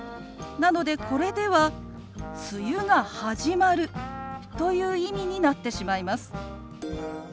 なのでこれでは「梅雨が始まる」という意味になってしまいます。